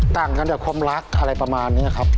ต่างกันกับความรักอะไรประมาณนี้ครับ